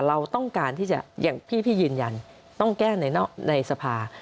เราต้องการที่จะอย่างพี่ยืนยันต้องแก้ในสภา